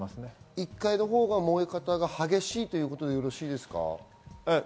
１階のほうが燃え方が激しいということでよろしいですか？